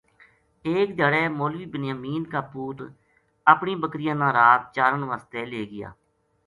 ایک دھیاڑے مولوی بنیامین کا پُوت اپنی بکریاں نا رات چارن واسطے لے گیا